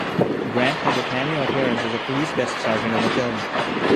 Grant has a cameo appearance as a police desk sergeant in the film.